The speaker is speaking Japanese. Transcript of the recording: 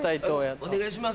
お願いします。